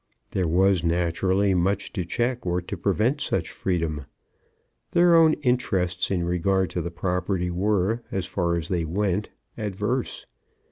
There was naturally much to check or to prevent such freedom. Their own interests in regard to the property were, as far as they went, adverse.